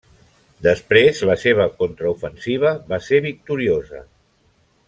Després la seva contra-ofensiva va ser victoriosa.